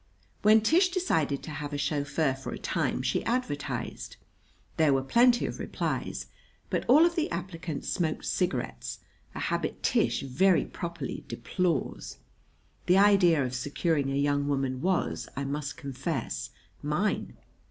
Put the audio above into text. "] When Tish decided to have a chauffeur for a time she advertised. There were plenty of replies, but all of the applicants smoked cigarettes a habit Tish very properly deplores. The idea of securing a young woman was, I must confess, mine.